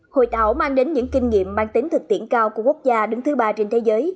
hội tạo mang đến những kinh nghiệm mang tính thực tiễn cao của quốc gia đứng thứ ba trên thế giới